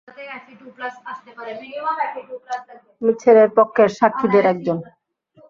আমি ছেলের পক্ষের সাক্ষীদের এক জন।